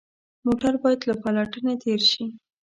موټر باید له پلټنې تېر شي.